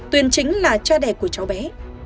tuyền chính là cha đẻ của cháu bé